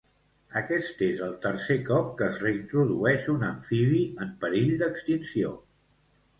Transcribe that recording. Aquest és el tercer cop que es reintrodueix un amfibi en perill d'extinció.